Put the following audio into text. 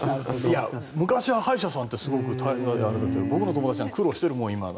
昔は歯医者さんってすごく僕の友達、今、苦労してるもん。